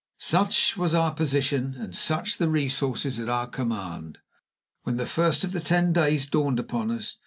Such was our position, and such the resources at our command, when the first of the Ten Days dawned upon us.